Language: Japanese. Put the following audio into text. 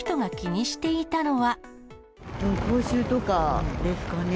口臭とかですかね。